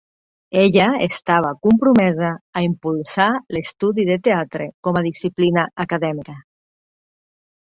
Ella estava compromesa a impulsar l'estudi de teatre com a disciplina acadèmica.